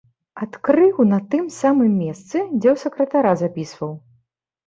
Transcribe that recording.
Адкрыў на тым самым месцы, дзе ў сакратара запісваў.